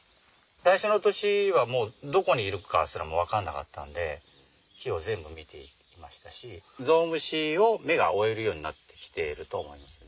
最初の年はもうどこにいるかすらも分かんなかったんで木を全部見ていましたしゾウムシを目が追えるようになってきてるとは思いますね。